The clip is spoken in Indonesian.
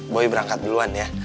boy berangkat duluan ya